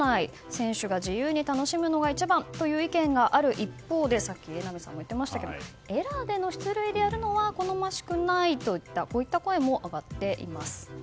選手が自由に楽しむのが一番という意見がある一方でさっき榎並さんも言ってましたがエラーでの出塁でやるのは好ましくないといったこういった声も上がっています。